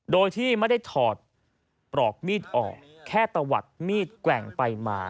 โดยที่ไม่ได้ถอดปลอกมีดออกแค่ตะวัดมีดแกว่งไปมา